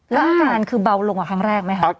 แล้วอาการคือเบาลงกว่าครั้งแรกไหมครับ